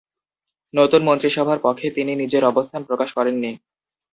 নতুন মন্ত্রিসভার পক্ষে তিনি নিজের অবস্থান প্রকাশ করেননি।